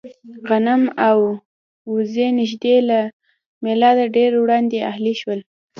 غنم او اوزې نږدې له مېلاده ډېر وړاندې اهلي شول.